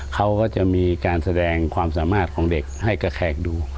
เขาก็จะมีการแสดงความสามารถของเด็กให้กับแขกดู